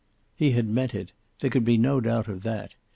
He had meant it. There could be no doubt of that.